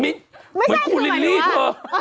ไม่แหงกูลูลี่เธอ